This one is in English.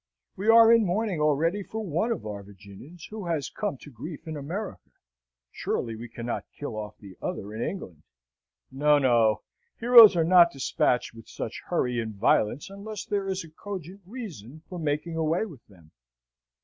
We are in mourning already for one of our Virginians, who has come to grief in America; surely we cannot kill off the other in England? No, no. Heroes are not despatched with such hurry and violence unless there is a cogent reason for making away with them.